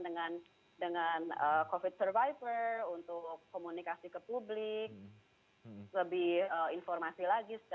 dengan dengan covid sembilan belas survivor untuk komunikasi ke publik lebih informasi lagi